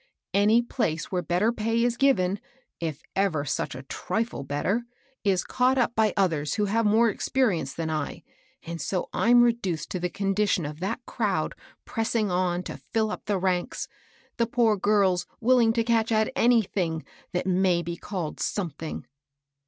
Any place where better pay is given, — if ever such a trifle better, ^ is caught up by others who have more experience than I ; and so I'm re 136 MABEL BOSS. duced to the condition of that crowd pressing on to fill up the ranks, — the poor ^Is willing to catch at anything that may be called iomething.